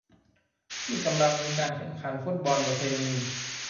ที่กำลังมีการแข่งขันฟุตบอลประเพณี